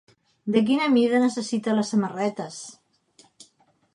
De quina mida necessita les samarretes?